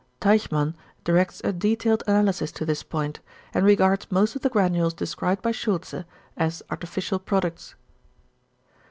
Teichmann directs a detailed analysis to this point, and regards most of the granules described by Schultze as artificial products.